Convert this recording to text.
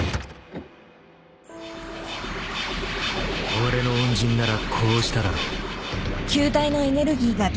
俺の恩人ならこうしただろう。